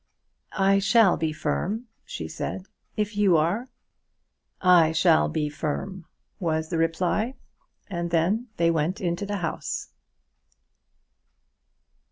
"I shall be firm," she said, "if you are." "I shall be firm," was the reply; and then they went into the house.